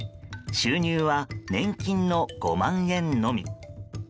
収入は年金の５万円のみ。